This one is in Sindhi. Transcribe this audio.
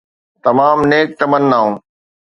تمام نيڪ تمنائون